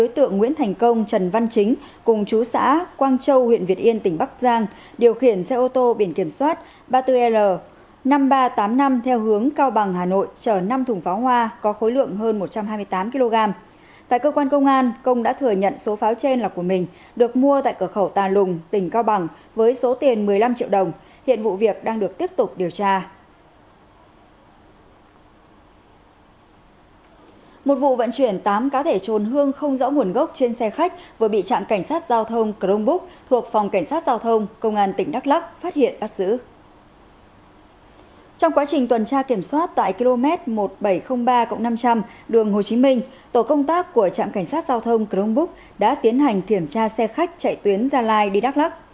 trong quá trình tuần tra kiểm soát tại km một nghìn bảy trăm linh ba năm trăm linh đường hồ chí minh tổ công tác của trạm cảnh sát giao thông cửa hồng búc đã tiến hành thiểm tra xe khách chạy tuyến gia lai đi đắk lắc